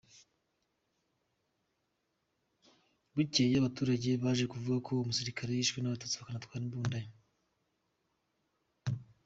Bukeye, abaturage baje kuvuga ko uwo musirikari yishwe n’abatutsi bakanatwara imbunda ye.